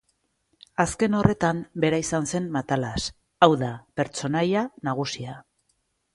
Azken horretan bera izan zen Matalas, hau da, pertsonaia nagusia.